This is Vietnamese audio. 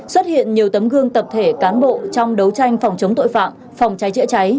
xuất hiện nhiều tấm gương tập thể cán bộ trong đấu tranh phòng chống tội phạm phòng cháy chữa cháy